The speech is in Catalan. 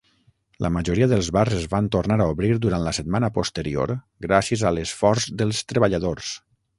La majoria dels bars es van tornar a obrir durant la setmana posterior gràcies a l'esforç dels treballadors.